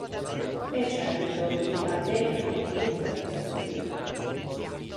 È certo che battevano moneta propria.